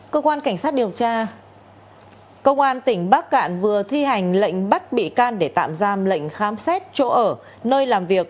cơ quan cảnh sát điều tra công an tỉnh bắc cạn vừa thi hành lệnh bắt bị can để tạm giam lệnh khám xét chỗ ở nơi làm việc